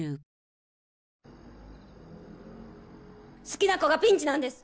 好きな子がピンチなんです！